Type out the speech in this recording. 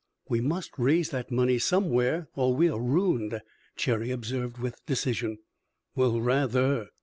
"We must raise that money somewhere or we are ruined," Cherry observed, with decision. "Well, rather!"